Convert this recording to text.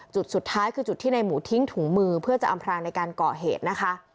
จุดสุดท้ายคือจุดที่ในหมูทิ้งถุงมือเพื่อจะอำพรางในการก่อเหตุนะคะ